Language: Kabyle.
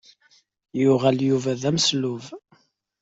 Yuɣal Yuba d ameslub.